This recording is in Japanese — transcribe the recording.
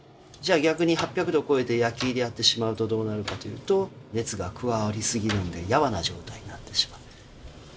じゃあ逆に８００度超えて焼き入れやってしまうとどうなるかというと熱が加わり過ぎるんでやわな状態になってしまう。